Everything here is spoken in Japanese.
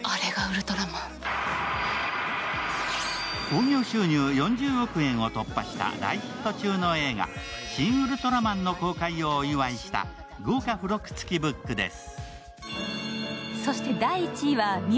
興行収入４０億円を突破した大ヒット中の映画「シン・ウルトラマン」の公開をお祝いした、豪華付録付きブックです。